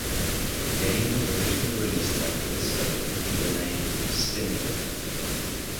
The game was originally released by Callisto under the name "Spin Doctor".